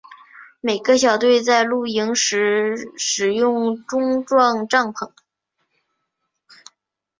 每个小队在露营时使用钟状帐篷。